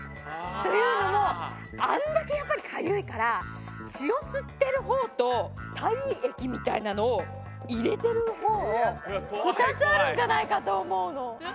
というのもあんだけやっぱりかゆいから血を吸ってる方と体液みたいなのを入れてる方２つあるんじゃないかと思うの。